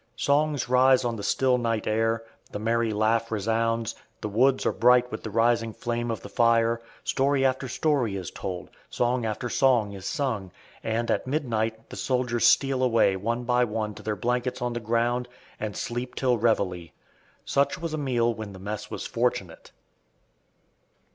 Songs rise on the still night air, the merry laugh resounds, the woods are bright with the rising flame of the fire, story after story is told, song after song is sung, and at midnight the soldiers steal away one by one to their blankets on the ground, and sleep till reveille. Such was a meal when the mess was fortunate.